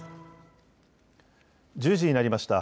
１０時になりました。